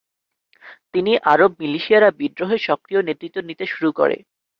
তিনি আরব মিলিশিয়ারা বিদ্রোহে সক্রিয় নেতৃত্ব নিতে শুরু করে।